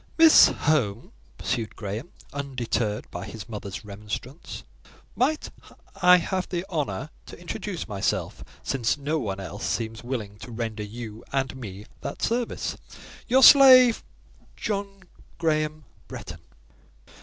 "Miss Home," pursued Graham, undeterred by his mother's remonstrance, "might I have the honour to introduce myself, since no one else seems willing to render you and me that service? Your slave, John Graham Bretton."